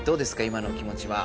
今の気もちは。